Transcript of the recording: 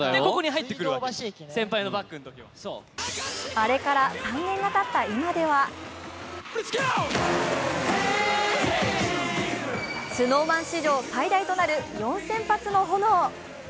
あれから３年がたった今ではＳｎｏｗＭａｎ史上最大となる４０００発の炎。